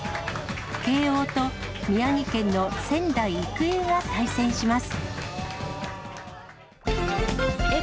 慶応と宮城県の仙台育英が対戦します。